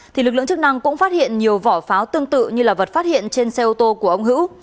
thì lực lượng chức năng cũng phát hiện nhiều vỏ pháo tương tự như là vật phát hiện trên xe ô tô của ông hữu